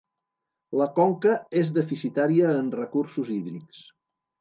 La conca és deficitària en recursos hídrics.